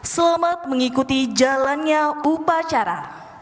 selamat mengikuti jalannya upacara